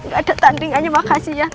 gak ada tandingannya makasih ya